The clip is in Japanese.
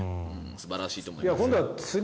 素晴らしいと思います。